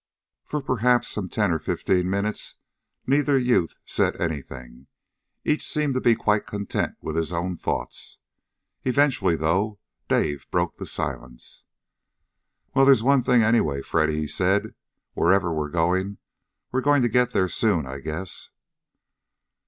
For perhaps some ten of fifteen minutes neither youth said anything. Each seemed to be quite content with his own thoughts. Eventually, though, Dave broke the silence. "Well, there's one thing, anyway, Freddy," he said. "Wherever we're going, we're going to get there soon, I guess."